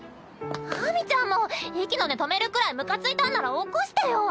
秋水ちゃんも息の根止めるくらいムカついたんなら起こしてよ！